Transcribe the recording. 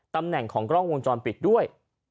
ตำแหน่งของกล้องวงจรปิดด้วย